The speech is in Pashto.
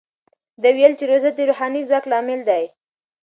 ده وویل چې روژه د روحاني ځواک لامل دی.